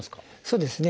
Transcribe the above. そうですね。